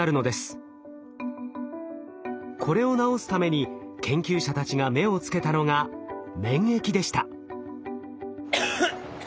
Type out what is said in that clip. これを治すために研究者たちが目をつけたのが免疫でした。